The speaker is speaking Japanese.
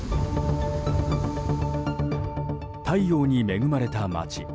太陽に恵まれた街。